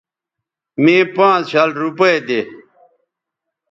مے پانز شل روپے دے